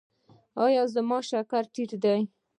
ایا زما شکر ټیټ دی؟